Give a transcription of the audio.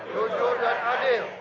jujur dan adil